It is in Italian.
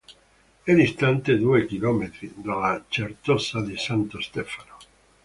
È distante due chilometri dalla Certosa di Santo Stefano.